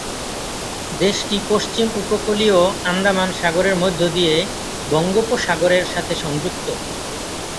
দেশটি পশ্চিম উপকূলীয় আন্দামান সাগরের মধ্য দিয়ে বঙ্গোপসাগরের সাথে সংযুক্ত।